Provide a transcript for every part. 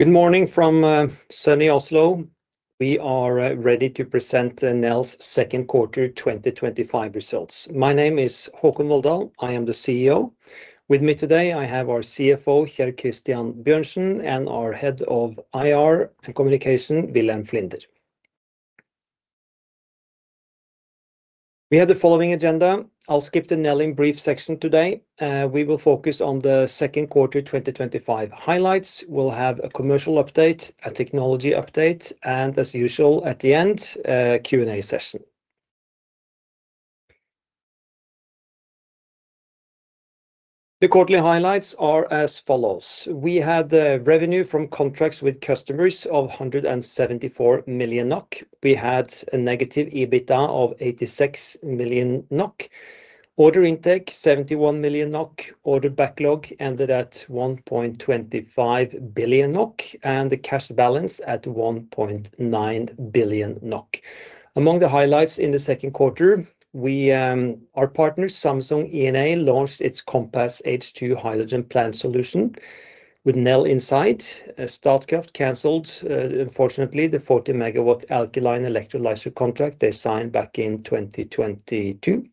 Good morning from sunny Oslo. We are ready to present Nel's second quarter 2025 results. My name is Håkon Volldal. I am the CEO. With me today, I have our CFO, Kjell Christian Bjørnsen, and our Head of IR and Communication, Wilhelm Flinder. We have the following agenda. I'll skip the Nel in brief section today. We will focus on the second quarter 2025 highlights. We'll have a commercial update, a technology update, and as usual, at the end, a Q&A session. The quarterly highlights are as follows. We had revenue from contracts with customers of 174 million NOK. We had a negative EBITDA of 86 million NOK. Order intake 71 million NOK. Order backlog ended at 1.25 billion NOK and the cash balance at 1.9 billion NOK. Among the highlights in the second quarter, our partner, Samsung E&A, launched its CompassH2 hydrogen plant solution with Nel inside. Statkraft cancelled, unfortunately, the 40 MW alkaline electrolyser contract they signed back in 2022.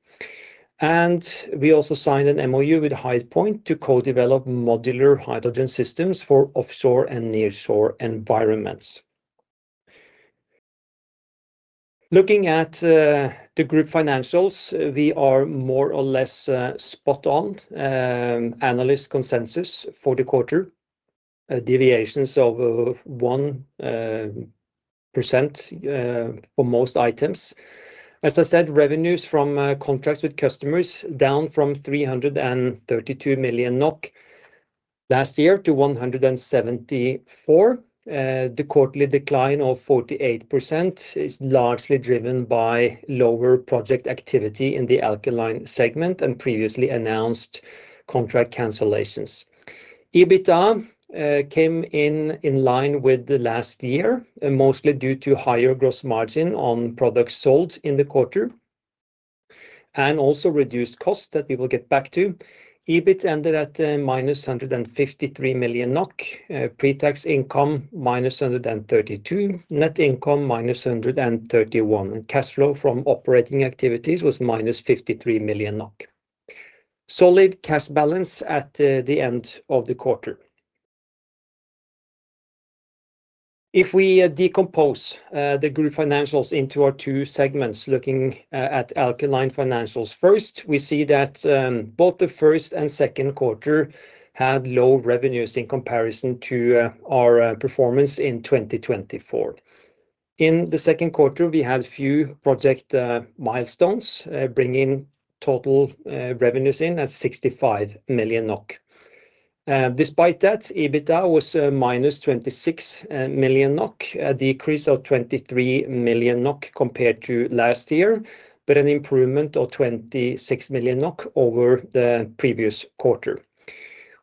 We also signed an MOU with HydePoint to co-develop modular hydrogen systems for offshore and nearshore environments. Looking at the group financials, we are more or less spot on. Analyst consensus for the quarter, deviations of 1% for most items. As I said, revenues from contracts with customers down from 332 million NOK last year to 174 million. The quarterly decline of 48% is largely driven by lower project activity in the alkaline segment and previously announced contract cancellations. EBITDA came in in line with last year, mostly due to higher gross margin on products sold in the quarter and also reduced costs that we will get back to. EBIT ended at minus 153 million NOK. Pre-tax income -132 million, net income -131 million, and cash flow from operating activities was -53 million NOK. Solid cash balance at the end of the quarter. If we decompose the group financials into our two segments, looking at alkaline financials first, we see that both the first and second quarter had low revenues in comparison to our performance in 2024. In the second quarter, we had a few project milestones bringing total revenues in at 65 million NOK. Despite that, EBITDA was minus 26 million NOK, a decrease of 23 million NOK compared to last year, but an improvement of 26 million NOK over the previous quarter.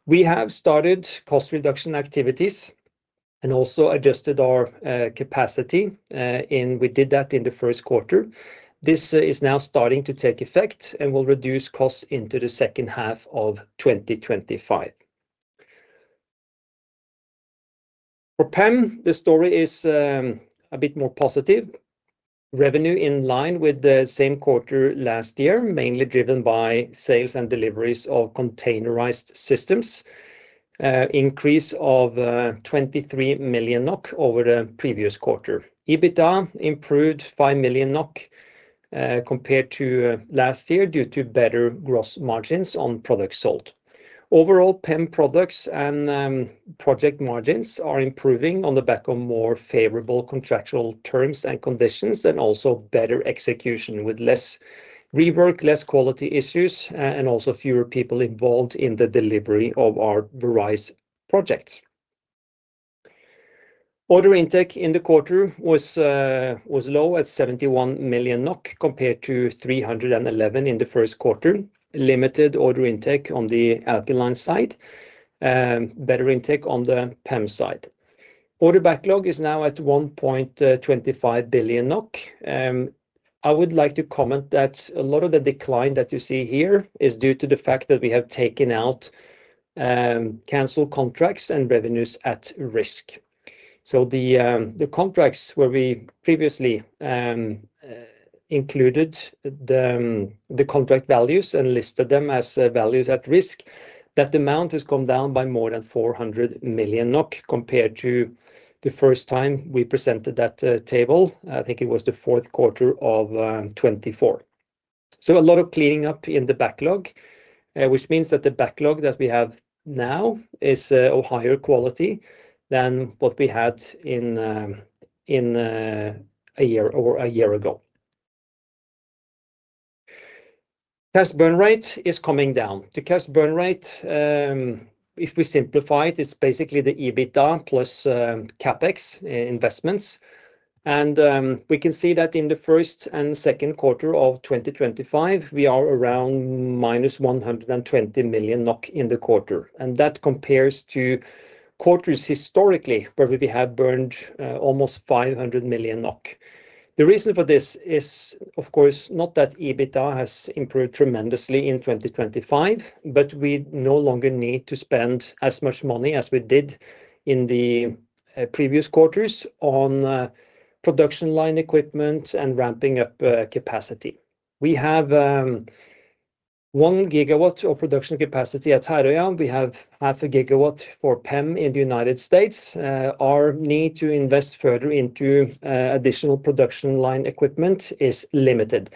We have started cost reduction activities and also adjusted our capacity, and we did that in the first quarter. This is now starting to take effect and will reduce costs into the second half of 2025. For PEM, the story is a bit more positive. Revenue in line with the same quarter last year, mainly driven by sales and deliveries of containerized systems. Increase of 23 million NOK over the previous quarter. EBITDA improved 5 million NOK compared to last year due to better gross margins on products sold. Overall, PEM products and project margins are improving on the back of more favorable contractual terms and conditions and also better execution with less rework, less quality issues, and also fewer people involved in the delivery of our various projects. Order intake in the quarter was low at 71 million NOK compared to 311 million in the first quarter. Limited order intake on the alkaline side, better intake on the PEM side. Order backlog is now at 1.25 billion NOK. I would like to comment that a lot of the decline that you see here is due to the fact that we have taken out cancelled contracts and revenues at risk. The contracts where we previously included the contract values and listed them as values at risk, that amount has come down by more than 400 million NOK compared to the first time we presented that table. I think it was the fourth quarter of 2024. A lot of cleaning up in the backlog, which means that the backlog that we have now is of higher quality than what we had a year or a year ago. Cash burn rate is coming down. The cash burn rate, if we simplify it, it's basically the EBITDA plus CapEx investments. We can see that in the first and second quarter of 2025, we are around minus 120 million NOK in the quarter. That compares to quarters historically where we have burned almost 500 million NOK. The reason for this is, of course, not that EBITDA has improved tremendously in 2025, but we no longer need to spend as much money as we did in the previous quarters on production line equipment and ramping up capacity. We have 1 gigawatt of production capacity at Herøya. We have half a gigawatt for PEM in the United States. Our need to invest further into additional production line equipment is limited.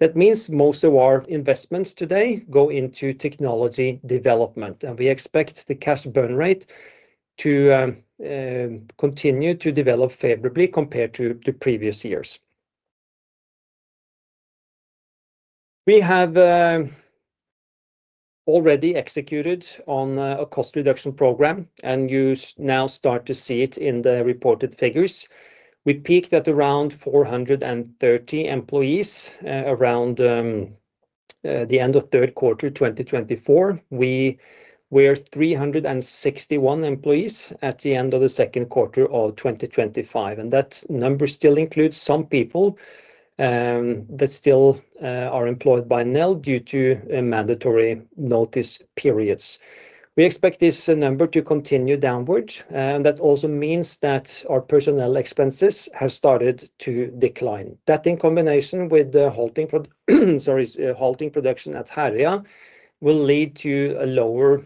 That means most of our investments today go into technology development. We expect the cash burn rate to continue to develop favorably compared to the previous years. We have already executed on a cost reduction program, and you now start to see it in the reported figures. We peaked at around 430 employees around the end of third quarter 2024. We were 361 employees at the end of the second quarter of 2025. That number still includes some people that are still employed by Nel due to mandatory notice periods. We expect this number to continue downward. That also means that our personnel expenses have started to decline. That, in combination with the halting production at Herøya, will lead to a lower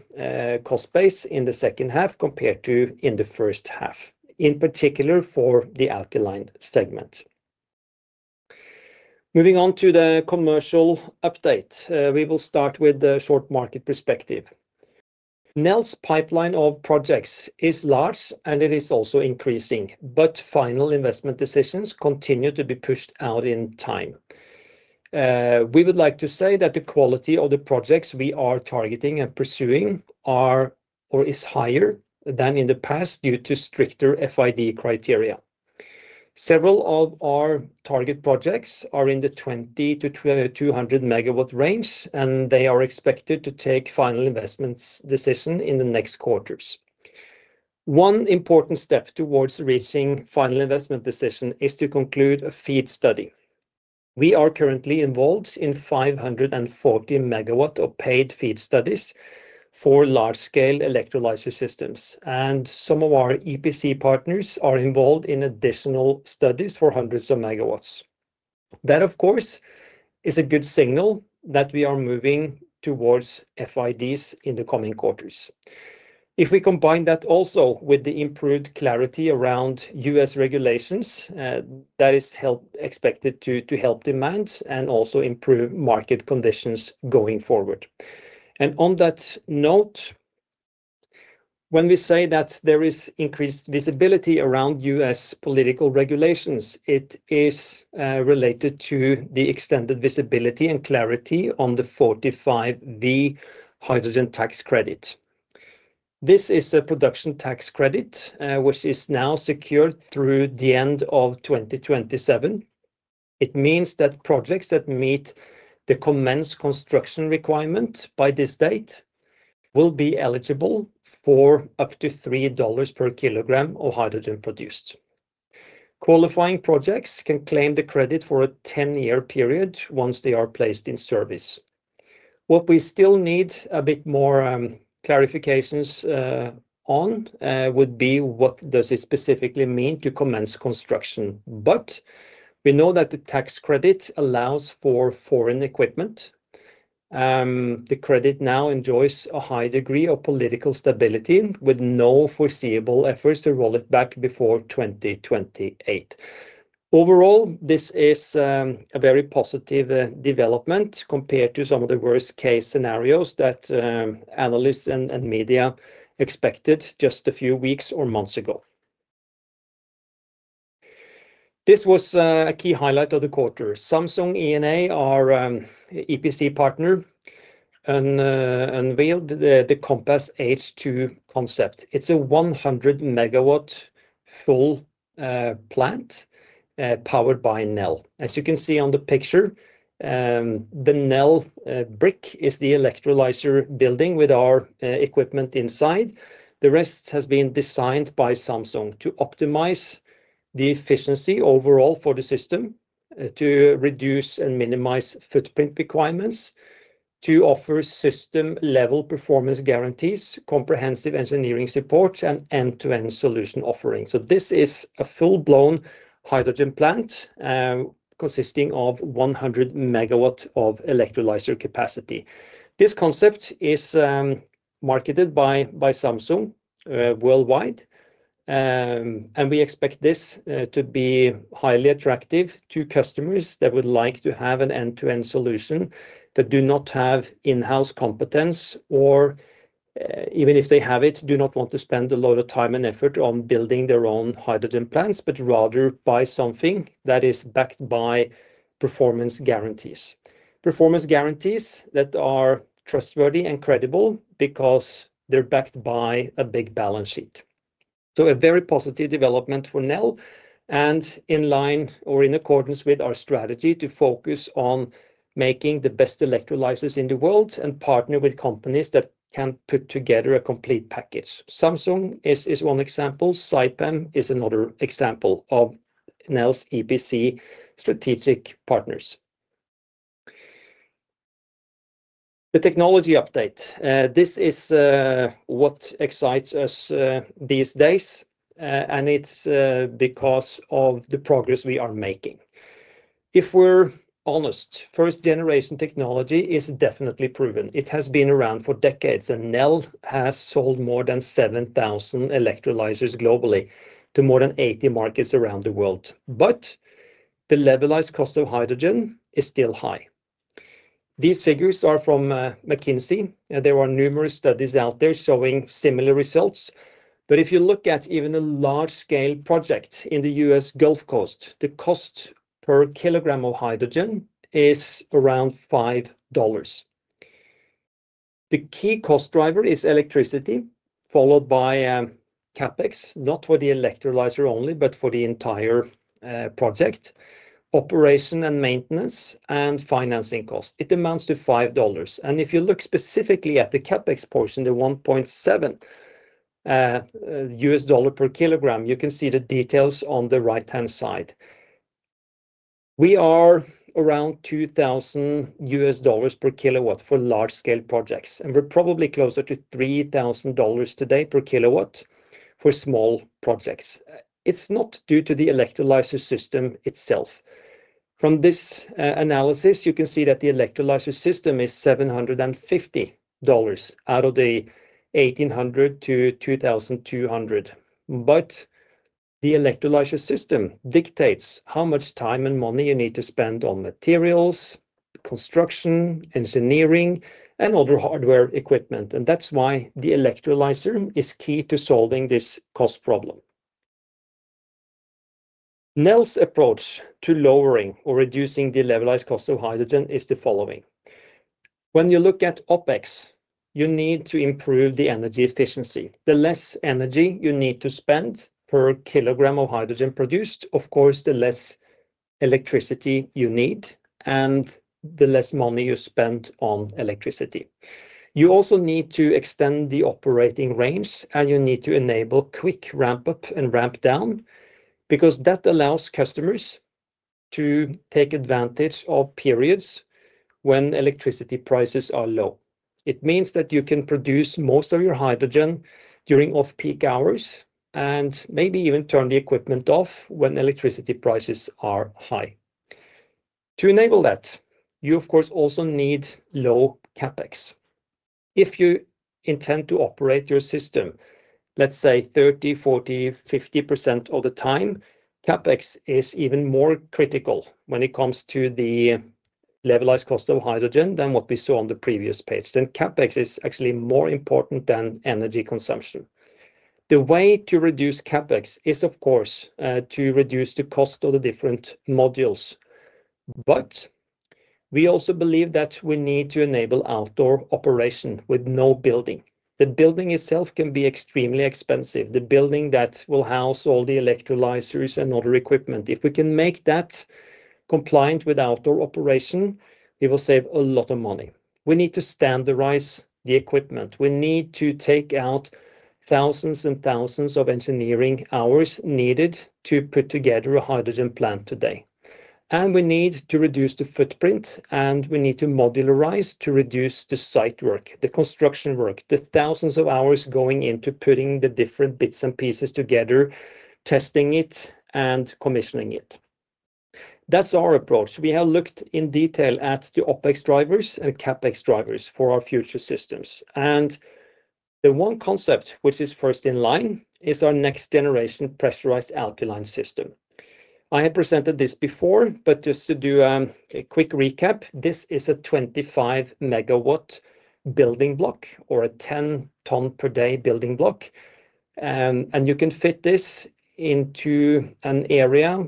cost base in the second half compared to the first half, in particular for the alkaline segment. Moving on to the commercial update, we will start with the short market perspective. Nel's pipeline of projects is large, and it is also increasing, but final investment decisions continue to be pushed out in time. We would like to say that the quality of the projects we are targeting and pursuing is higher than in the past due to stricter FID criteria. Several of our target projects are in the 20 MW-200 MW range, and they are expected to take final investment decisions in the next quarters. One important step towards reaching final investment decision is to conclude a FEED study. We are currently involved in 540 MW of paid FEED studies for large-scale electrolyser systems, and some of our EPC partners are involved in additional studies for hundreds of MW. That is a good signal that we are moving towards FIDs in the coming quarters. If we combine that with the improved clarity around U.S. regulations, that is expected to help demand and also improve market conditions going forward. On that note, when we say that there is increased visibility around U.S. political regulations, it is related to the extended visibility and clarity on the 45V hydrogen production tax credit. This is a production tax credit, which is now secured through the end of 2027. It means that projects that meet the commenced construction requirement by this date will be eligible for up to $3 per kg of hydrogen produced. Qualifying projects can claim the credit for a 10-year period once they are placed in service. What we still need a bit more clarification on would be what it specifically means to commence construction. We know that the tax credit allows for foreign equipment. The credit now enjoys a high degree of political stability with no foreseeable efforts to roll it back before 2028. Overall, this is a very positive development compared to some of the worst-case scenarios that analysts and media expected just a few weeks or months ago. This was a key highlight of the quarter. Samsung E&A, our EPC partner, unveiled the CompassH2 concept. It's a 100 MW full plant powered by Nel. As you can see on the picture, the Nel brick is the electrolyser building with our equipment inside. The rest has been designed by Samsung to optimize the efficiency overall for the system, to reduce and minimize footprint requirements, to offer system-level performance guarantees, comprehensive engineering support, and end-to-end solution offerings. This is a full-blown hydrogen plant consisting of 100 MW of electrolyser capacity. This concept is marketed by Samsung worldwide. We expect this to be highly attractive to customers that would like to have an end-to-end solution, that do not have in-house competence, or even if they have it, do not want to spend a lot of time and effort on building their own hydrogen plants, but rather buy something that is backed by performance guarantees. Performance guarantees that are trustworthy and credible because they're backed by a big balance sheet. A very positive development for Nel and in line or in accordance with our strategy to focus on making the best electrolysers in the world and partner with companies that can put together a complete package. Samsung is one example. Saipem is another example of Nel's EPC strategic partners. The technology update. This is what excites us these days, and it's because of the progress we are making. If we're honest, first-generation technology is definitely proven. It has been around for decades, and Nel has sold more than 7,000 electrolysers globally to more than 80 markets around the world. The levelized cost of hydrogen is still high. These figures are from McKinsey. There are numerous studies out there showing similar results. If you look at even a large-scale project in the U.S. Gulf Coast, the cost per kg of hydrogen is around $5. The key cost driver is electricity, followed by CapEx, not for the electrolyser only, but for the entire project, operation and maintenance, and financing cost. It amounts to $5. If you look specifically at the CapEx portion, the $1.7 per kg, you can see the details on the right-hand side. We are around $2,000 per kW for large-scale projects. We're probably closer to $3,000 today per kW for small projects. It's not due to the electrolyser system itself. From this analysis, you can see that the electrolyser system is $750 out of the $1,800-$2,200. The electrolyser system dictates how much time and money you need to spend on materials, construction, engineering, and other hardware equipment. That's why the electrolyser is key to solving this cost problem. Nel's approach to lowering or reducing the levelized cost of hydrogen is the following. When you look at OpEx, you need to improve the energy efficiency. The less energy you need to spend per kg of hydrogen produced, of course, the less electricity you need and the less money you spend on electricity. You also need to extend the operating range, and you need to enable quick ramp-up and ramp-down because that allows customers to take advantage of periods when electricity prices are low. It means that you can produce most of your hydrogen during off-peak hours and maybe even turn the equipment off when electricity prices are high. To enable that, you, of course, also need low CapEx. If you intend to operate your system, let's say 30%, 40%, 50% of the time, CapEx is even more critical when it comes to the levelized cost of hydrogen than what we saw on the previous page. CapEx is actually more important than energy consumption. The way to reduce CapEx is, of course, to reduce the cost of the different modules. We also believe that we need to enable outdoor operation with no building. The building itself can be extremely expensive, the building that will house all the electrolysers and other equipment. If we can make that compliant with outdoor operation, we will save a lot of money. We need to standardize the equipment. We need to take out thousands and thousands of engineering hours needed to put together a hydrogen plant today. We need to reduce the footprint, and we need to modularize to reduce the site work, the construction work, the thousands of hours going into putting the different bits and pieces together, testing it, and commissioning it. That's our approach. We have looked in detail at the OpEx drivers and CapEx drivers for our future systems. The one concept which is first in line is our next-generation pressurized alkaline system. I have presented this before, but just to do a quick recap, this is a 25-MW building block or a 10-ton per day building block. You can fit this into an area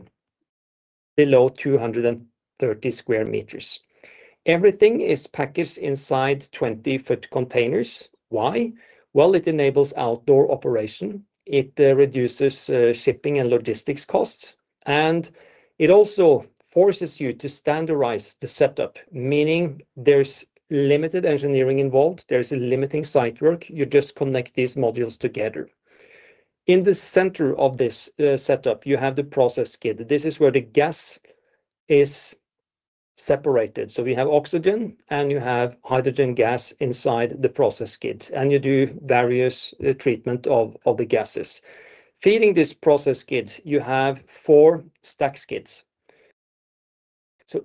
below 230 sq m. Everything is packaged inside 20 ft containers. It enables outdoor operation. It reduces shipping and logistics costs. It also forces you to standardize the setup, meaning there's limited engineering involved. There's a limiting site work. You just connect these modules together. In the center of this setup, you have the process kit. This is where the gas is separated. You have oxygen, and you have hydrogen gas inside the process kit. You do various treatment of the gases. Feeding this process kit, you have four stack skids.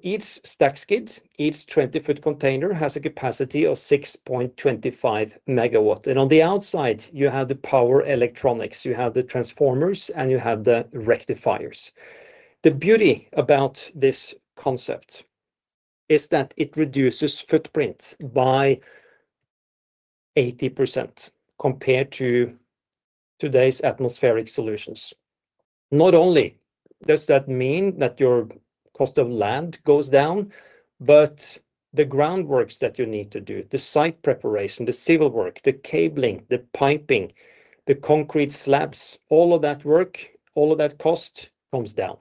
Each stack skid, each 20 ft container, has a capacity of 6.25 MW. On the outside, you have the power electronics. You have the transformers, and you have the rectifiers. The beauty about this concept is that it reduces footprint by 80% compared to today's atmospheric solutions. Not only does that mean that your cost of land goes down, but the groundworks that you need to do, the site preparation, the civil work, the cabling, the piping, the concrete slabs, all of that work, all of that cost comes down.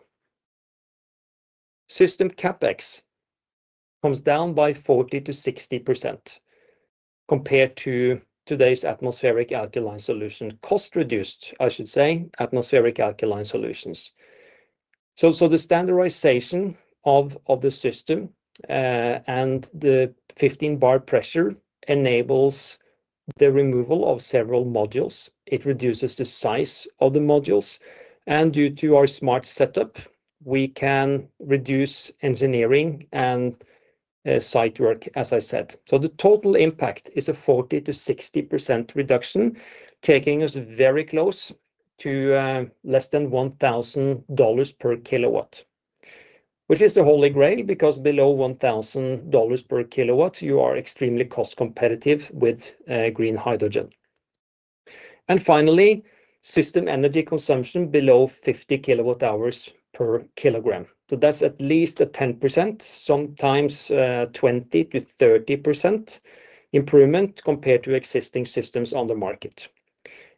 System CapEx comes down by 40%-60% compared to today's atmospheric alkaline solution, cost-reduced, I should say, atmospheric alkaline solutions. The standardization of the system and the 15-bar pressure enables the removal of several modules. It reduces the size of the modules. Due to our smart setup, we can reduce engineering and site work, as I said. The total impact is a 40%-60% reduction, taking us very close to less than $1,000 per kW, which is the holy grail because below $1,000 per kW, you are extremely cost-competitive with green hydrogen. Finally, system energy consumption below 50 kW-hours per kg. That's at least a 10%, sometimes 20%-30% improvement compared to existing systems on the market.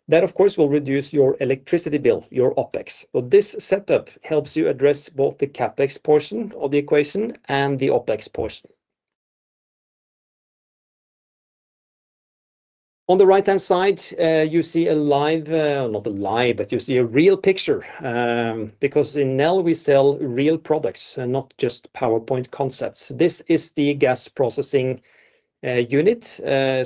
That, of course, will reduce your electricity bill, your OpEx. This setup helps you address both the CapEx portion of the equation and the OpEx portion. On the right-hand side, you see a real picture because in Nel, we sell real products, not just PowerPoint concepts. This is the gas processing unit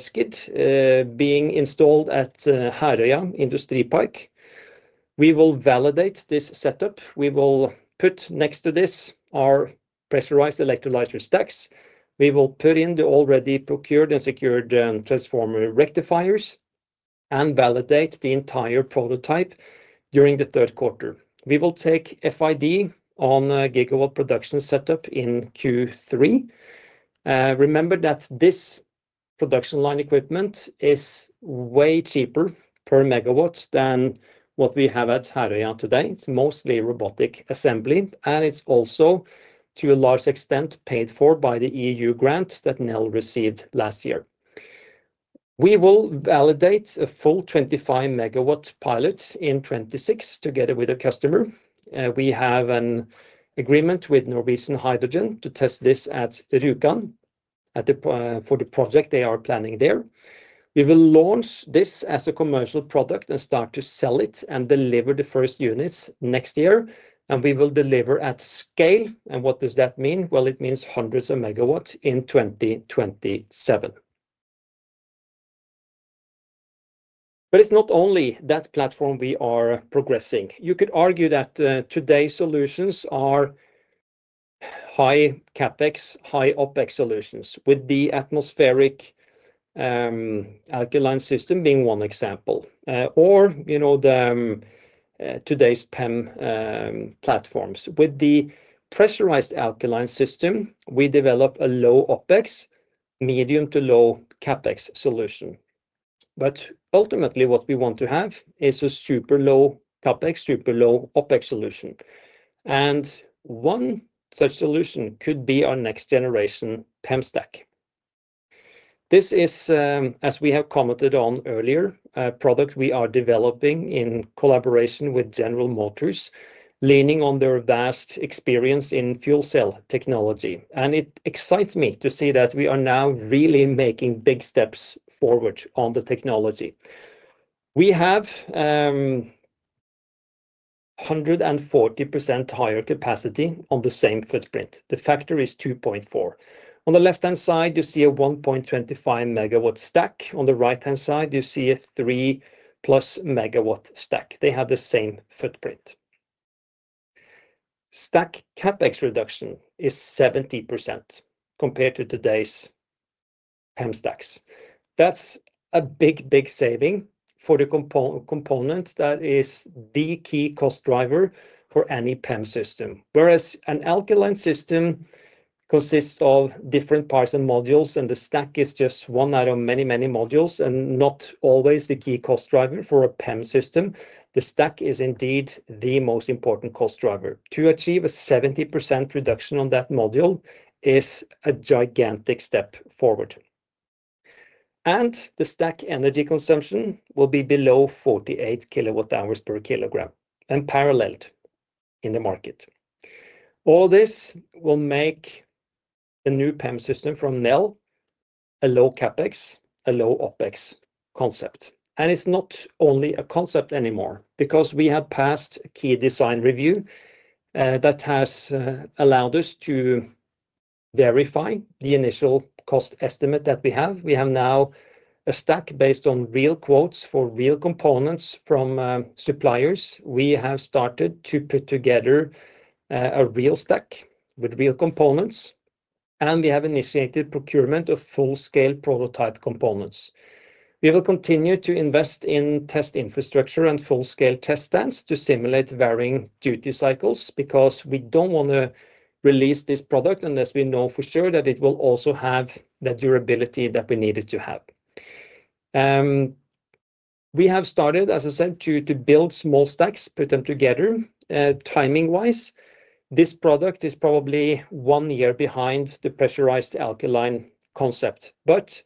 skid being installed at Herøya Industripark. We will validate this setup. We will put next to this our pressurized electrolyser stacks. We will put in the already procured and secured transformer rectifiers and validate the entire prototype during the third quarter. We will take FID on a gigawatt production setup in Q3. Remember that this production line equipment is way cheaper per MW than what we have at Herøya today. It's mostly robotic assembly, and it's also, to a large extent, paid for by the E.U. grant that Nel received last year. We will validate a full 25-MW pilot in 2026 together with a customer. We have an agreement with Norwegian Hydrogen to test this at Rjukan for the project they are planning there. We will launch this as a commercial product and start to sell it and deliver the first units next year. We will deliver at scale. What does that mean? It means hundreds of MW in 2027. It's not only that platform we are progressing. You could argue that today's solutions are high CapEx, high OpEx solutions with the atmospheric alkaline system being one example, or today's PEM platforms. With the pressurized alkaline system, we develop a low OpEx, medium to low CapEx solution. Ultimately, what we want to have is a super low CapEx, super low OpEx solution. One such solution could be our next-generation PEM stack. This is, as we have commented on earlier, a product we are developing in collaboration with General Motors, leaning on their vast experience in fuel cell technology. It excites me to see that we are now really making big steps forward on the technology. We have 140% higher capacity on the same footprint. The factor is 2.4MW On the left-hand side, you see a 1.25 MW stack. On the right-hand side, you see a 3+ MW stack. They have the same footprint. Stack CapEx reduction is 70% compared to today's PEM stacks. That's a big, big saving for the component that is the key cost driver for any PEM system. Whereas an alkaline system consists of different parts and modules, and the stack is just one out of many, many modules, and not always the key cost driver for a PEM system, the stack is indeed the most important cost driver. To achieve a 70% reduction on that module is a gigantic step forward. The stack energy consumption will be below 48 kW-hours per kg and paralleled in the market. All this will make a new PEM system from Nel a low CapEx, a low OpEx concept. It's not only a concept anymore because we have passed a key design review that has allowed us to verify the initial cost estimate that we have. We have now a stack based on real quotes for real components from suppliers. We have started to put together a real stack with real components. We have initiated procurement of full-scale prototype components. We will continue to invest in test infrastructure and full-scale test stands to simulate varying duty cycles because we don't want to release this product unless we know for sure that it will also have the durability that we need it to have. We have started, as I said, to build small stacks, put them together. Timing-wise, this product is probably one year behind the pressurized alkaline concept, but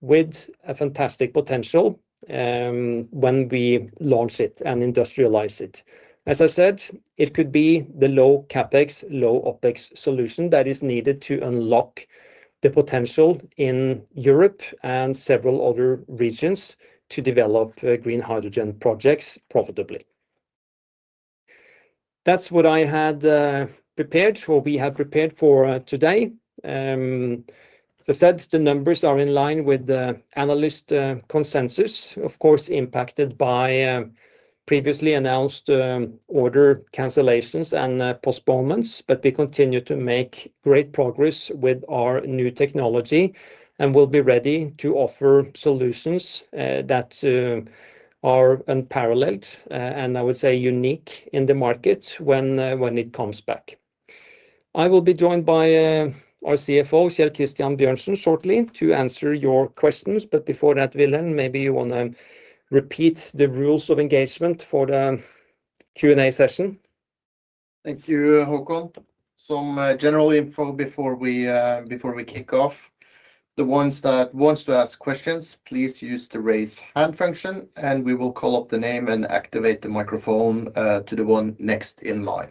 with a fantastic potential when we launch it and industrialize it. As I said, it could be the low CapEx, low OpEx solution that is needed to unlock the potential in Europe and several other regions to develop green hydrogen projects profitably. That's what I had prepared or we have prepared for today. As I said, the numbers are in line with the analyst consensus, of course, impacted by previously announced order cancellations and postponements. We continue to make great progress with our new technology and will be ready to offer solutions that are unparalleled and I would say unique in the market when it comes back. I will be joined by our CFO, Kjell Christian Bjørnsen, shortly to answer your questions. Before that, Wilhelm, maybe you want to repeat the rules of engagement for the Q&A session. Thank you, Håkon. Some general info before we kick off. The ones that want to ask questions, please use the raise hand function, and we will call up the name and activate the microphone to the one next in line.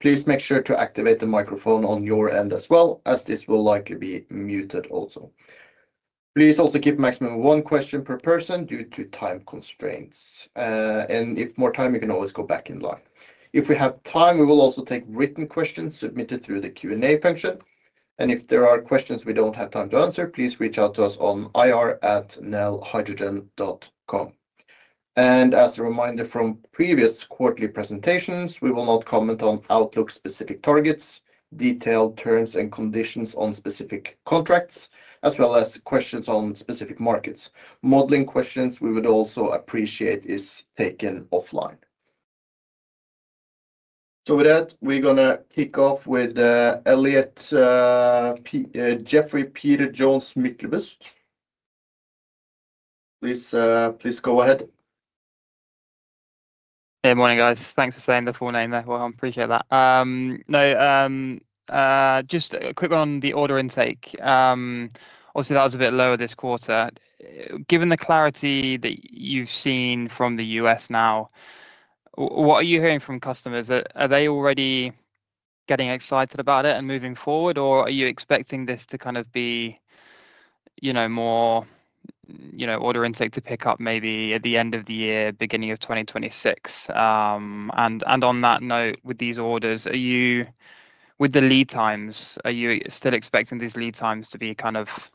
Please make sure to activate the microphone on your end as well, as this will likely be muted also. Please also keep a maximum of one question per person due to time constraints. If more time, you can always go back in line. If we have time, we will also take written questions submitted through the Q&A function. If there are questions we don't have time to answer, please reach out to us on ir@nelhydrogen.com. As a reminder from previous quarterly presentations, we will not comment on outlook-specific targets, detailed terms and conditions on specific contracts, as well as questions on specific markets. Modeling questions we would also appreciate are taken offline. With that, we're going to kick off with Elliott Geoffrey Peter Jones, Mikkelbust. Please go ahead. Hey, morning guys. Thanks for saying the full name there. I appreciate that. Just a quick one on the order intake. Obviously, that was a bit lower this quarter. Given the clarity that you've seen from the U.S. now, what are you hearing from customers? Are they already getting excited about it and moving forward, or are you expecting this to kind of be more, you know, order intake to pick up maybe at the end of the year, beginning of 2026? On that note, with these orders, with the lead times, are you still expecting these lead times to be kind of,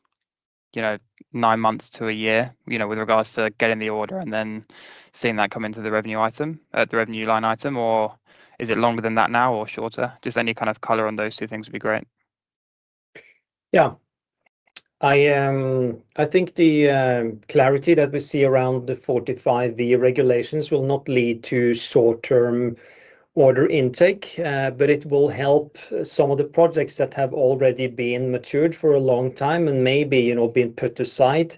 you know, nine months to a year with regards to getting the order and then seeing that come into the revenue item, the revenue line item, or is it longer than that now or shorter? Just any kind of color on those two things would be great. Yeah. I think the clarity that we see around the 45V regulations will not lead to short-term order intake, but it will help some of the projects that have already been matured for a long time and maybe, you know, been put aside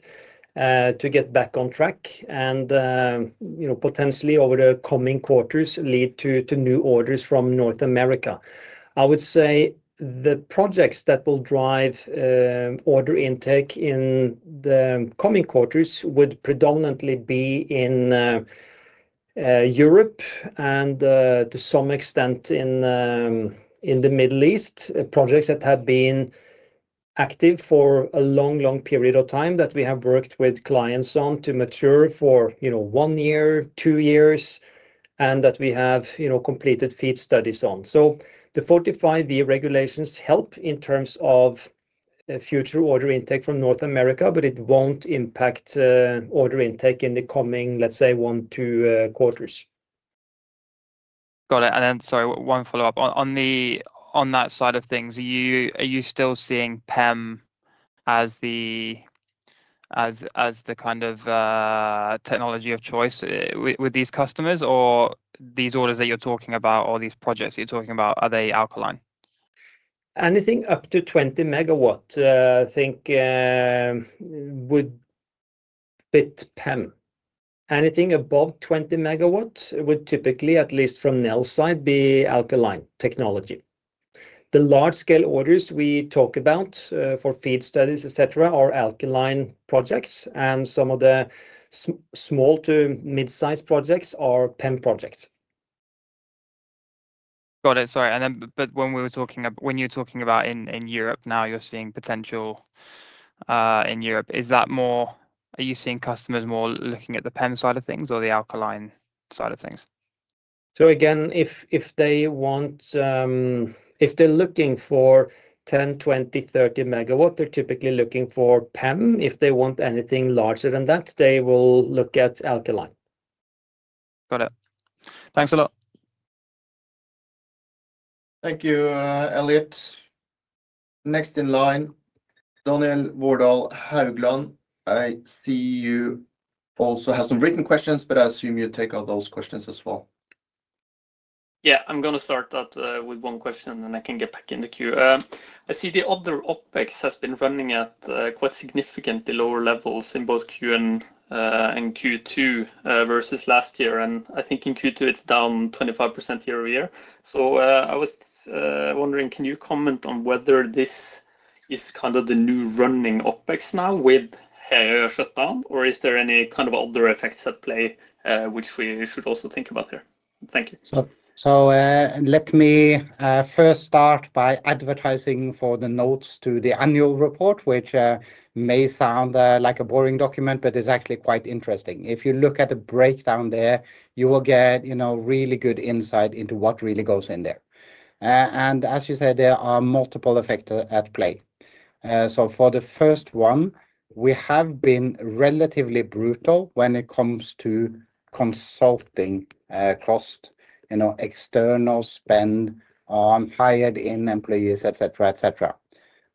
to get back on track and, you know, potentially over the coming quarters lead to new orders from North America. I would say the projects that will drive order intake in the coming quarters would predominantly be in Europe and to some extent in the Middle East, projects that have been active for a long, long period of time that we have worked with clients on to mature for, you know, one year, two years, and that we have, you know, completed feed studies on. The 45V regulations help in terms of future order intake from North America, but it won't impact order intake in the coming, let's say, one to two quarters. Got it. Sorry, one follow-up on that side of things. Are you still seeing PEM as the kind of technology of choice with these customers, or these orders that you're talking about, or these projects that you're talking about, are they alkaline? Anything up to 20 MW, I think, would fit PEM. Anything above 20 MW would typically, at least from Nel's side, be alkaline technology. The large-scale orders we talk about for feed studies, etc., are alkaline projects, and some of the small to mid-size projects are PEM projects. Sorry. When we were talking about in Europe now, you're seeing potential in Europe. Is that more, are you seeing customers more looking at the PEM side of things or the alkaline side of things? If they want, if they're looking for 10 MW, 20 MW, 30 MW, they're typically looking for PEM. If they want anything larger than that, they will look at alkaline. Got it. Thanks a lot. Thank you, Elliott. Next in line, Daniel Haugland. I see you also have some written questions, but I assume you take out those questions as well. Yeah, I'm going to start that with one question, and then I can get back in the queue. I see the other OpEx has been running at quite significantly lower levels in both Q1 and Q2 versus last year. I think in Q2, it's down 25% year over year. I was wondering, can you comment on whether this is kind of the new running OpEx now with shutdown, or is there any kind of other effects at play which we should also think about here? Thank you. Let me first start by advertising for the notes to the annual report, which may sound like a boring document, but it's actually quite interesting. If you look at the breakdown there, you will get really good insight into what really goes in there. As you said, there are multiple effects at play. For the first one, we have been relatively brutal when it comes to consulting cost, external spend on hired-in employees, etc.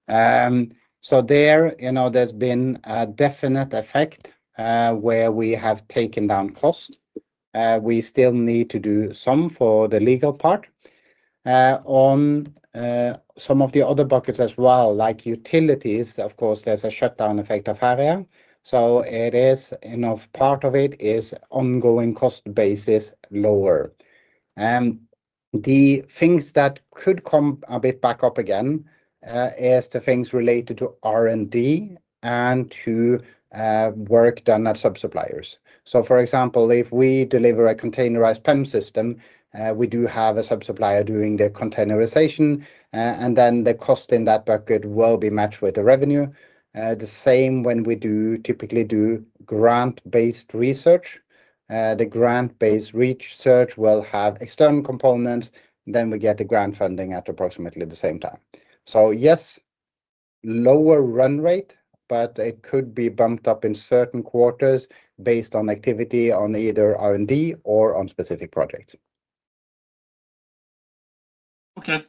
There has been a definite effect where we have taken down cost. We still need to do some for the legal part. On some of the other buckets as well, like utilities, of course, there's a shutdown effect of Hæja. Part of it is ongoing cost basis lower. The things that could come a bit back up again are the things related to R&D and to work done at subsuppliers. For example, if we deliver a containerized PEM system, we do have a subsupplier doing the containerization, and then the cost in that bucket will be matched with the revenue. The same when we typically do grant-based research. The grant-based research will have external components, and then we get the grant funding at approximately the same time. Yes, lower run rate, but it could be bumped up in certain quarters based on activity on either R&D or on specific projects. Okay.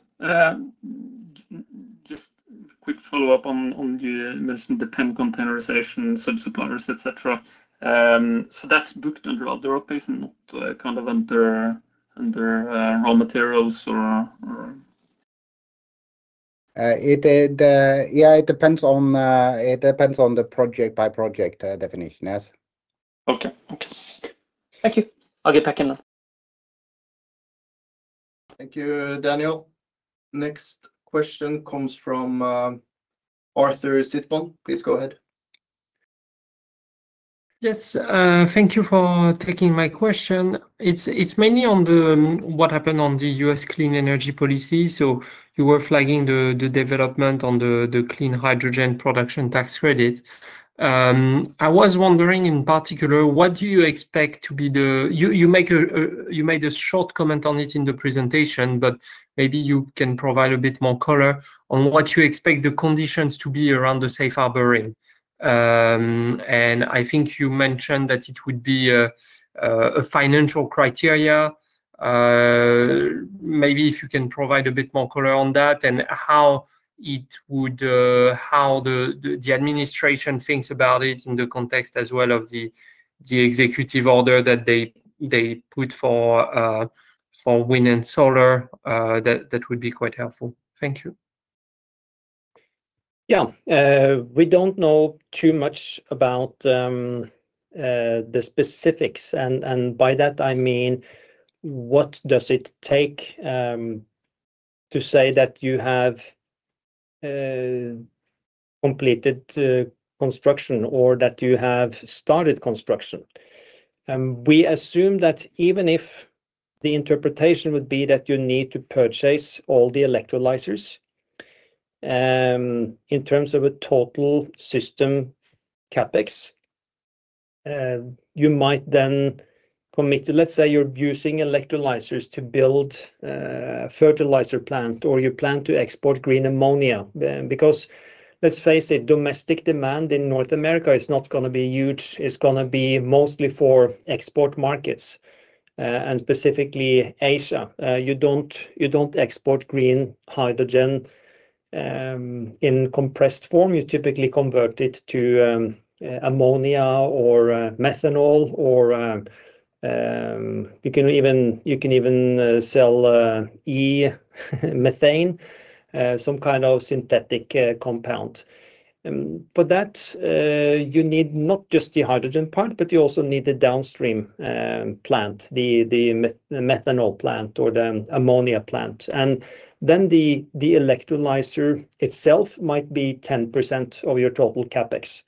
Just a quick follow-up on you mentioned the PEM containerization, subsuppliers, etc. That's booked under other OpEx and not kind of under raw materials or? Yeah, it depends on the project-by-project definition, yes. Okay. Thank you. I'll get back in then. Thank you, Daniel. Next question comes from Arthur Sitbon. Please go ahead. Yes. Thank you for taking my question. It's mainly on what happened on the U.S. clean energy policy. You were flagging the development on the clean hydrogen production tax credit. I was wondering, in particular, what do you expect to be the—you made a short comment on it in the presentation, but maybe you can provide a bit more color on what you expect the conditions to be around the safe Harborring. I think you mentioned that it would be a financial criteria. Maybe if you can provide a bit more color on that and how it would—how the administration thinks about it in the context as well of the executive order that they put for wind and solar, that would be quite helpful. Thank you. Yeah. We don't know too much about the specifics. By that, I mean, what does it take to say that you have completed construction or that you have started construction? We assume that even if the interpretation would be that you need to purchase all the electrolysers, in terms of a total system CapEx, you might then commit to, let's say, you're using electrolysers to build a fertilizer plant or you plan to export green ammonia because, let's face it, domestic demand in North America is not going to be huge. It's going to be mostly for export markets and specifically Asia. You don't export green hydrogen in compressed form. You typically convert it to ammonia or methanol, or you can even sell e-methane, some kind of synthetic compound. For that, you need not just the hydrogen part, but you also need the downstream plant, the methanol plant or the ammonia plant. The electrolyser itself might be 10% of your total CapEx.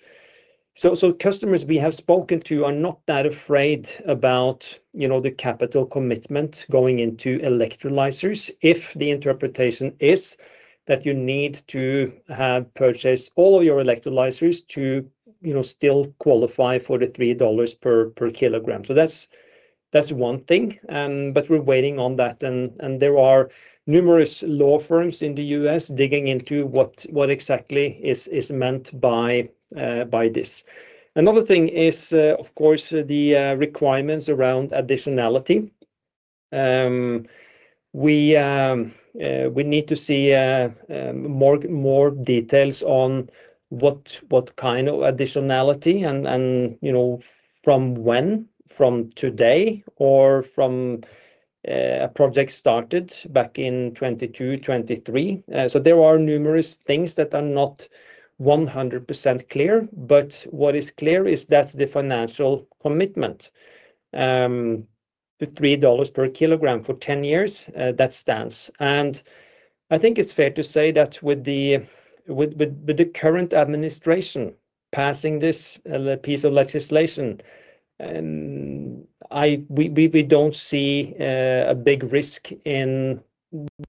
Customers we have spoken to are not that afraid about, you know, the capital commitment going into electrolysers if the interpretation is that you need to have purchased all of your electrolysers to, you know, still qualify for the $3 per kg. That's one thing. We're waiting on that. There are numerous law firms in the U.S. digging into what exactly is meant by this. Another thing is, of course, the requirements around additionality. We need to see more details on what kind of additionality and, you know, from when, from today, or from a project started back in 2022, 2023. There are numerous things that are not 100% clear. What is clear is that the financial commitment to $3 per kg for 10 years, that stands. I think it's fair to say that with the current administration passing this piece of legislation, we don't see a big risk in,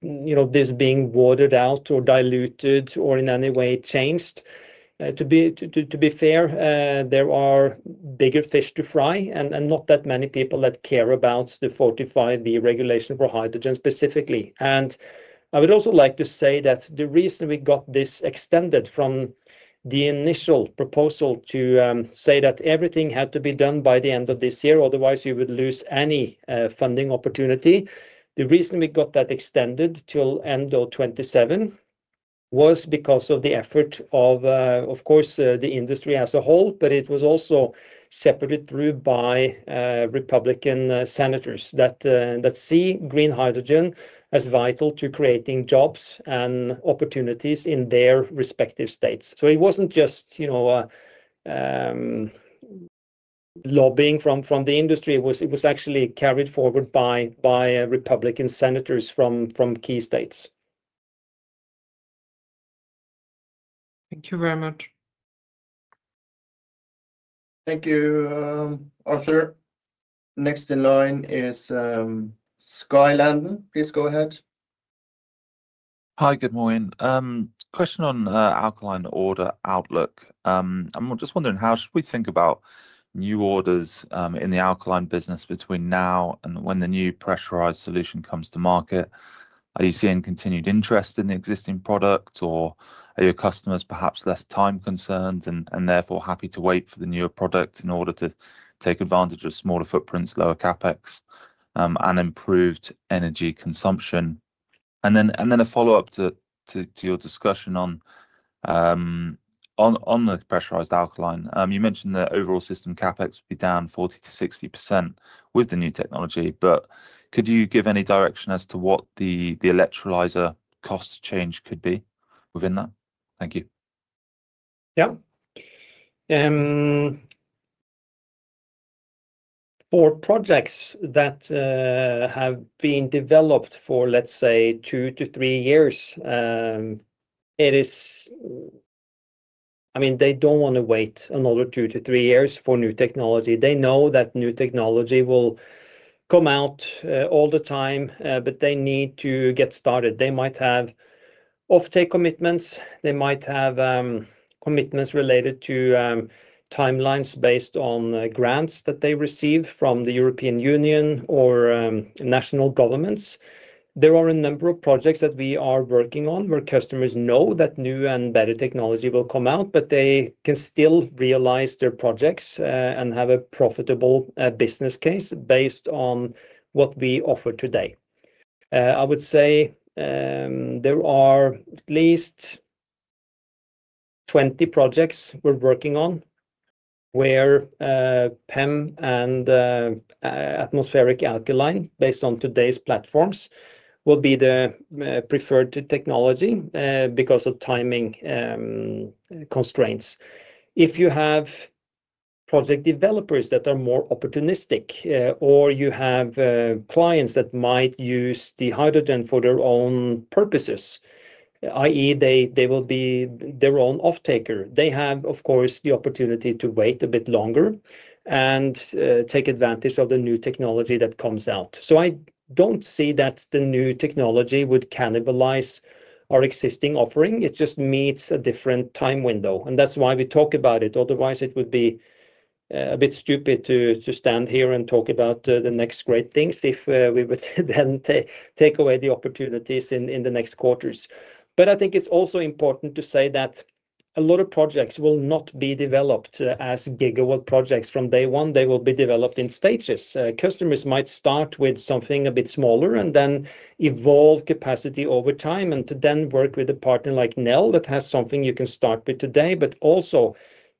you know, this being watered out or diluted or in any way changed. To be fair, there are bigger fish to fry and not that many people that care about the 45V regulation for hydrogen specifically. I would also like to say that the reason we got this extended from the initial proposal to say that everything had to be done by the end of this year, otherwise you would lose any funding opportunity, the reason we got that extended till end of 2027 was because of the effort of, of course, the industry as a whole, but it was also shepherded through by Republican senators that see green hydrogen as vital to creating jobs and opportunities in their respective states. It wasn't just, you know, lobbying from the industry. It was actually carried forward by Republican senators from key states. Thank you very much. Thank you, Arthur. Next in line is Skye Landon. Please go ahead. Hi, good morning. Question on alkaline order outlook. I'm just wondering how should we think about new orders in the alkaline business between now and when the new pressurized solution comes to market? Are you seeing continued interest in the existing product, or are your customers perhaps less time concerned and therefore happy to wait for the newer product in order to take advantage of smaller footprints, lower CapEx, and improved energy consumption? A follow-up to your discussion on the pressurized alkaline. You mentioned the overall system CapEx would be down 40-60% with the new technology, but could you give any direction as to what the electrolyser cost change could be within that? Thank you. Yeah. For projects that have been developed for, let's say, two to three years, I mean, they don't want to wait another two to three years for new technology. They know that new technology will come out all the time, but they need to get started. They might have off-take commitments. They might have commitments related to timelines based on grants that they receive from the European Union or national governments. There are a number of projects that we are working on where customers know that new and better technology will come out, but they can still realize their projects and have a profitable business case based on what we offer today. I would say there are at least 20 projects we're working on where PEM and atmospheric alkaline, based on today's platforms, will be the preferred technology because of timing constraints. If you have project developers that are more opportunistic, or you have clients that might use the hydrogen for their own purposes, i.e., they will be their own off-taker, they have, of course, the opportunity to wait a bit longer and take advantage of the new technology that comes out. I don't see that the new technology would cannibalize our existing offering. It just meets a different time window. That's why we talk about it. Otherwise, it would be a bit stupid to stand here and talk about the next great things if we would then take away the opportunities in the next quarters. I think it's also important to say that a lot of projects will not be developed as gigawatt projects from day one. They will be developed in stages. Customers might start with something a bit smaller and then evolve capacity over time and then work with a partner like Nel that has something you can start with today, but also,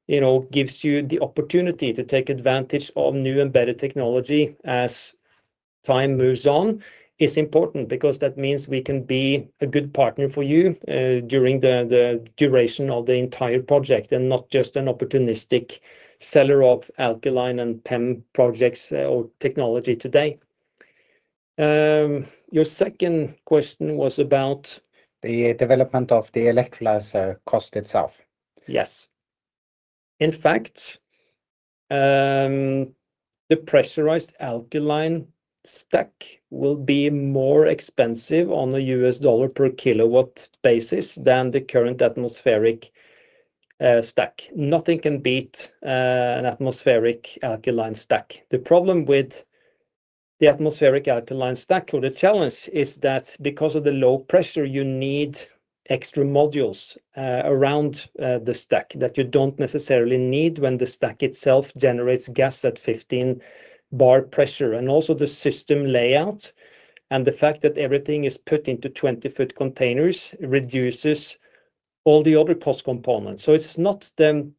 you know, gives you the opportunity to take advantage of new and better technology as time moves on. It's important because that means we can be a good partner for you during the duration of the entire project and not just an opportunistic seller of alkaline and PEM projects or technology today. Your second question was about. The development of the electrolyser cost itself. Yes. In fact, the pressurized alkaline stack will be more expensive on a U.S. dollar per kW basis than the current atmospheric stack. Nothing can beat an atmospheric alkaline stack. The problem with the atmospheric alkaline stack or the challenge is that because of the low pressure, you need extra modules around the stack that you don't necessarily need when the stack itself generates gas at 15 bar pressure. Also, the system layout and the fact that everything is put into 20 ft containers reduces all the other cost components. It's not the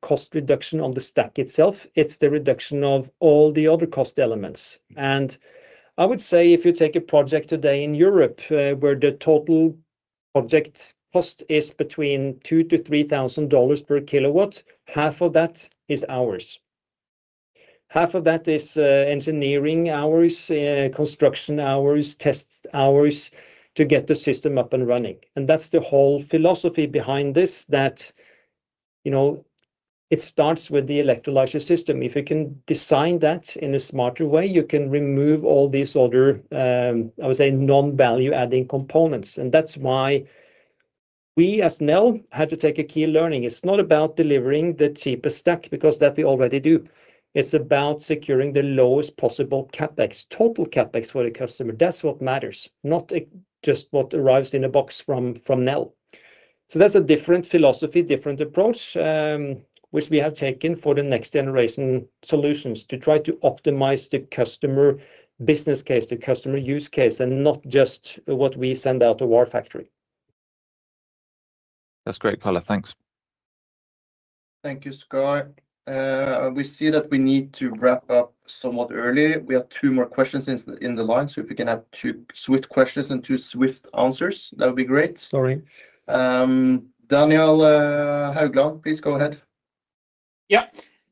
cost reduction on the stack itself. It's the reduction of all the other cost elements. I would say if you take a project today in Europe where the total project cost is between $2,000-$3,000 per kW, half of that is hours. Half of that is engineering hours, construction hours, test hours to get the system up and running. That's the whole philosophy behind this, that you know it starts with the electrolyser system. If you can design that in a smarter way, you can remove all these other, I would say, non-value-adding components. That's why we, as Nel, had to take a key learning. It's not about delivering the cheapest stack because that we already do. It's about securing the lowest possible CapEx, total CapEx for the customer. That's what matters, not just what arrives in a box from Nel. That's a different philosophy, different approach, which we have taken for the next generation solutions to try to optimize the customer business case, the customer use case, and not just what we send out of our factory. That's great, color. Thanks. Thank you, Skye. We see that we need to wrap up somewhat early. We have two more questions in the line. If we can have two swift questions and two swift answers, that would be great. Sorry. Daniel Haugland, please go ahead. Yeah.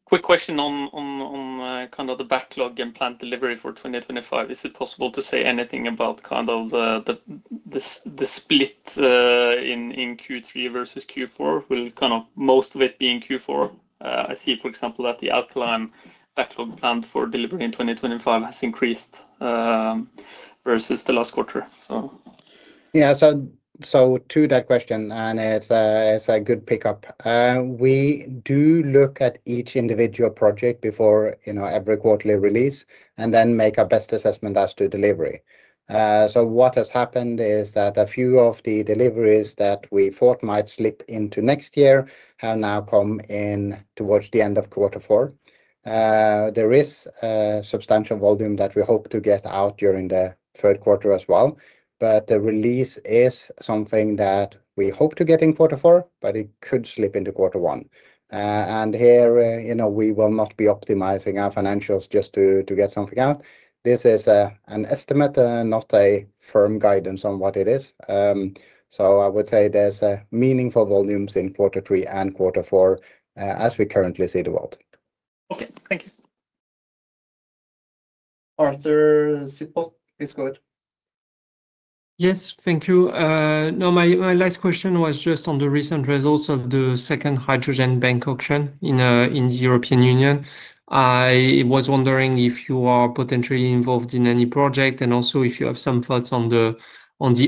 Quick question on kind of the backlog and planned delivery for 2025. Is it possible to say anything about kind of the split in Q3 versus Q4? Will kind of most of it be in Q4? I see, for example, that the alkaline backlog planned for delivery in 2025 has increased versus the last quarter. Yeah. To that question, and it's a good pickup. We do look at each individual project before every quarterly release and then make our best assessment as to delivery. What has happened is that a few of the deliveries that we thought might slip into next year have now come in towards the end of quarter four. There is a substantial volume that we hope to get out during the third quarter as well. The release is something that we hope to get in quarter four, but it could slip into quarter one. Here, you know, we will not be optimizing our financials just to get something out. This is an estimate, not a firm guidance on what it is. I would say there's meaningful volumes in quarter three and quarter four as we currently see the world. Okay, thank you. Arthur Sitbon, please go ahead. Yes, thank you. No, my last question was just on the recent results of the second hydrogen bank auction in the European Union. I was wondering if you are potentially involved in any project, and also if you have some thoughts on the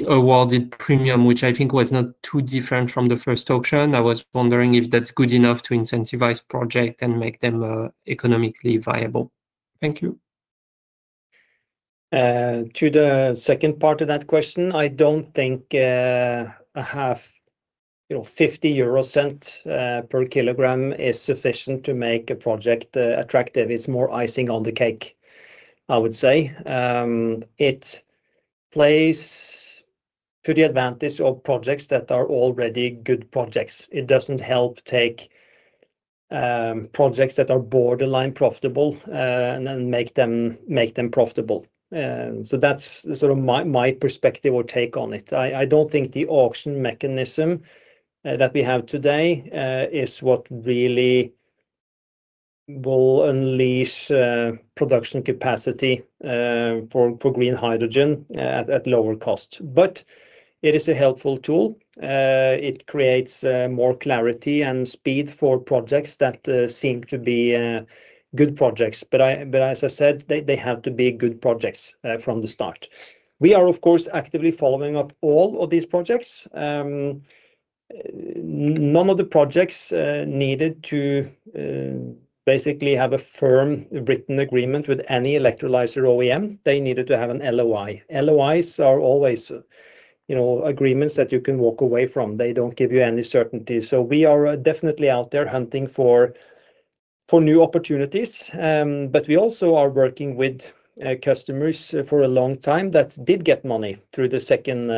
awarded premium, which I think was not too different from the first auction. I was wondering if that's good enough to incentivize projects and make them economically viable. Thank you. To the second part of that question, I don't think a half, you know, €0.50 per kg is sufficient to make a project attractive. It's more icing on the cake, I would say. It plays to the advantage of projects that are already good projects. It doesn't help take projects that are borderline profitable and then make them profitable. That's sort of my perspective or take on it. I don't think the auction mechanism that we have today is what really will unleash production capacity for green hydrogen at lower cost. It is a helpful tool. It creates more clarity and speed for projects that seem to be good projects. As I said, they have to be good projects from the start. We are, of course, actively following up all of these projects. None of the projects needed to basically have a firm written agreement with any electrolyser OEM. They needed to have an LOI. LOIs are always, you know, agreements that you can walk away from. They don't give you any certainty. We are definitely out there hunting for new opportunities. We also are working with customers for a long time that did get money through the second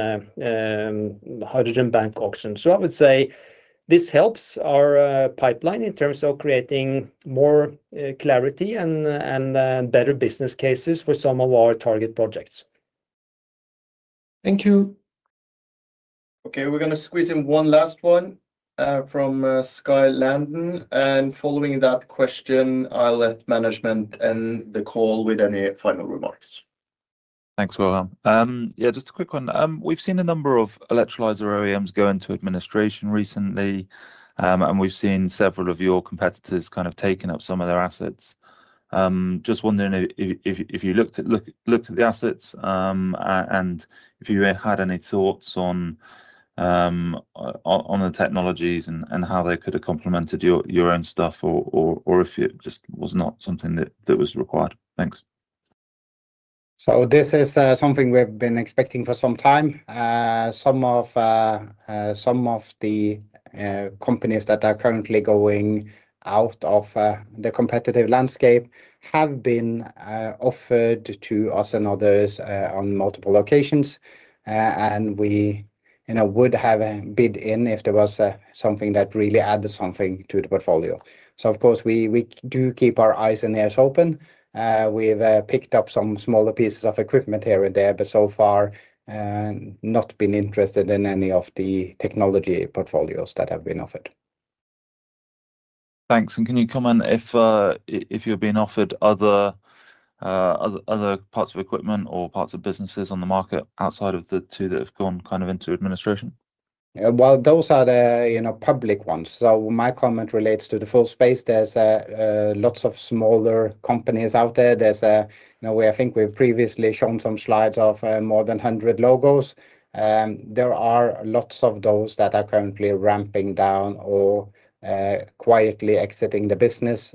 hydrogen bank auction. I would say this helps our pipeline in terms of creating more clarity and better business cases for some of our target projects. Thank you. Okay. We're going to squeeze in one last one from Skye Landon. Following that question, I'll let management end the call with any final remarks. Thanks, Wilhelm. Yeah, just a quick one. We've seen a number of electrolyser OEMs go into administration recently, and we've seen several of your competitors kind of taking up some of their assets. Just wondering if you looked at the assets and if you had any thoughts on the technologies and how they could have complemented your own stuff, or if it just was not something that was required. Thanks. This is something we've been expecting for some time. Some of the companies that are currently going out of the competitive landscape have been offered to us and others on multiple occasions. We would have a bid in if there was something that really added something to the portfolio. Of course, we do keep our eyes and ears open. We've picked up some smaller pieces of equipment here and there, but so far, not been interested in any of the technology portfolios that have been offered. Thank you. Can you comment if you've been offered other parts of equipment or parts of businesses on the market outside of the two that have gone into administration? Those are the public ones. My comment relates to the full space. There's lots of smaller companies out there. I think we've previously shown some slides of more than 100 logos. There are lots of those that are currently ramping down or quietly exiting the business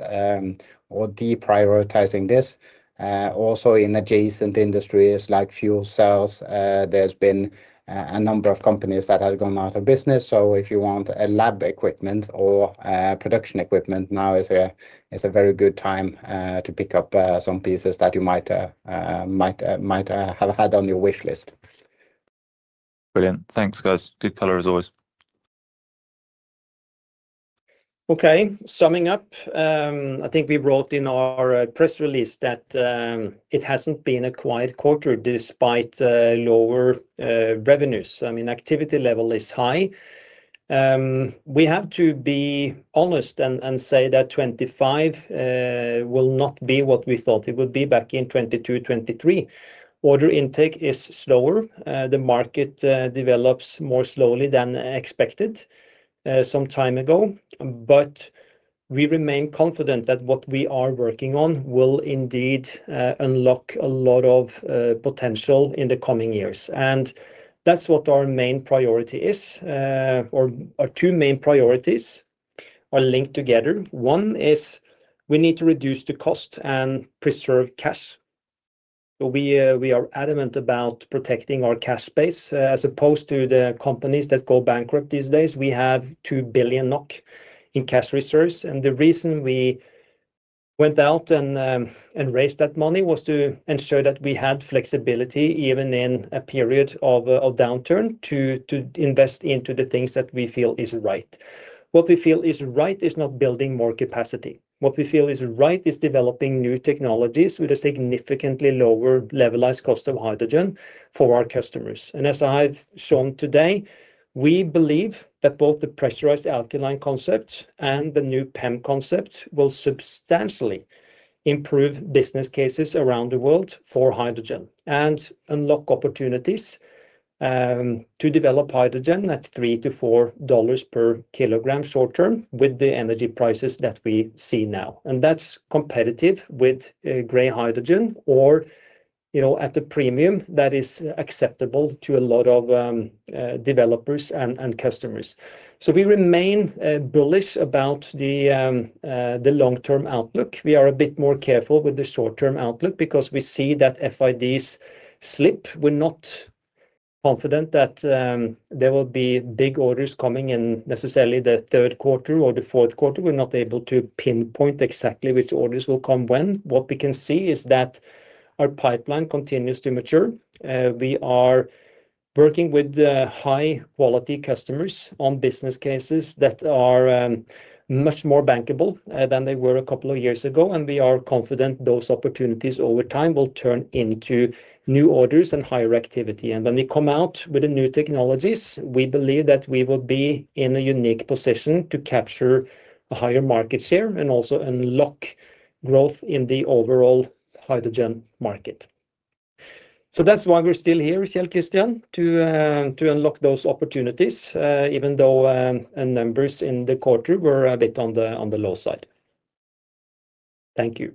or deprioritizing this. Also, in adjacent industries like fuel cells, there's been a number of companies that have gone out of business. If you want lab equipment or production equipment, now is a very good time to pick up some pieces that you might have had on your wish list. Brilliant. Thanks, guys. Good color, as always. Okay. Summing up, I think we wrote in our press release that it hasn't been a quiet quarter despite lower revenues. I mean, activity level is high. We have to be honest and say that 2025 will not be what we thought it would be back in 2022, 2023. Order intake is slower. The market develops more slowly than expected some time ago. We remain confident that what we are working on will indeed unlock a lot of potential in the coming years. That's what our main priority is, or our two main priorities are linked together. One is we need to reduce the cost and preserve cash. We are adamant about protecting our cash base. As opposed to the companies that go bankrupt these days, we have 2 billion NOK in cash reserves. The reason we went out and raised that money was to ensure that we had flexibility even in a period of downturn to invest into the things that we feel is right. What we feel is right is not building more capacity. What we feel is right is developing new technologies with a significantly lower levelized cost of hydrogen for our customers. As I've shown today, we believe that both the pressurized alkaline concept and the new PEM concept will substantially improve business cases around the world for hydrogen and unlock opportunities to develop hydrogen at $3-$4 per kg short term with the energy prices that we see now. That's competitive with gray hydrogen or, you know, at the premium that is acceptable to a lot of developers and customers. We remain bullish about the long-term outlook. We are a bit more careful with the short-term outlook because we see that FIDs slip. We're not confident that there will be big orders coming in necessarily the third quarter or the fourth quarter. We're not able to pinpoint exactly which orders will come when. What we can see is that our pipeline continues to mature. We are working with high-quality customers on business cases that are much more bankable than they were a couple of years ago. We are confident those opportunities over time will turn into new orders and higher activity. When we come out with the new technologies, we believe that we would be in a unique position to capture a higher market share and also unlock growth in the overall hydrogen market. That's why we're still here, Kjell Christian, to unlock those opportunities, even though the numbers in the quarter were a bit on the low side. Thank you.